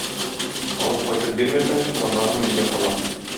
Алып кайтып бирмәсәң, туганнарың миндә кала.